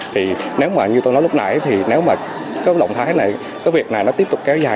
thì nếu mà như tôi nói lúc nãy thì nếu mà cái động thái này cái việc này nó tiếp tục kéo dài